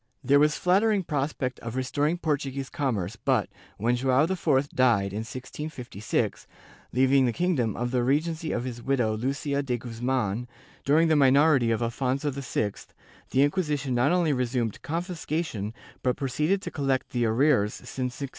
There was flattering prospect of restoring Por tuguese commerce but, when Joao IV died, in 1656, leaving the kingdom under the regency of his widow Lucia de Guzman, during the minority of Affonso VI, the Inquisition not only resumed confiscation but proceeded to collect the arrears since 1649.